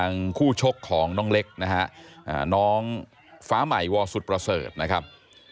น้องฟ้าใหม่วสุดประเสริฐนะครับ